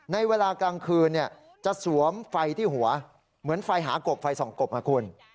ในเวลากลางคืนจะสวมไฟที่หัวเหมือนไฟหากบไฟส่องกบนะคุณ